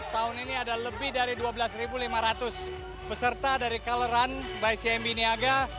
tahun ini ada lebih dari dua belas lima ratus peserta dari color run by cmb niaga